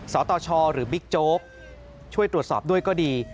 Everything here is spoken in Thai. สตชหรือบิ๊กโจ๊กช่วยตรวจสอบด้วยก็ดี